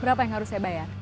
berapa yang harus saya bayar